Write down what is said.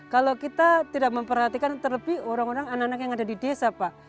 kalau kita tidak memperhatikan terlebih orang orang anak anak yang ada di desa pak